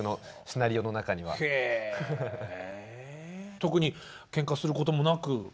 特にけんかすることもなく？